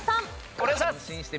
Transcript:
お願いします。